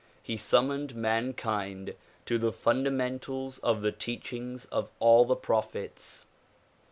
He summoned mankind to the funda mentals of the teachings of all the prophets.